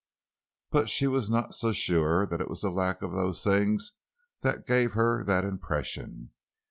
But she was not so sure that it was the lack of those things that gave her that impression.